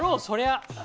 そりゃ。